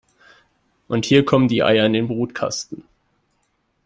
Und hier kommen die Eier in den Brutkasten.